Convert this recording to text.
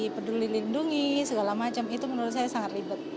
peduli lindungi segala macam itu menurut saya sangat ribet